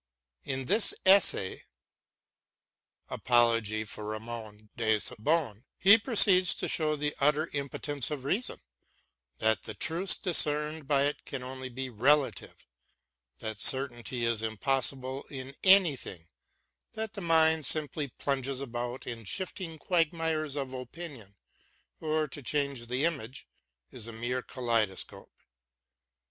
In this essay* he proceeds to show the utter im potence of reason ; that the truths discerned by it can only be relative, that certainty is impossible in anything ; that the mind simply plunges about in shifting quagmires of opinion, or, to change the image, is a mere kaleidoscope.